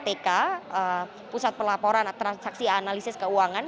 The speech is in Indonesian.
atau ke amerika pusat pelaporan transaksi analisis keuangan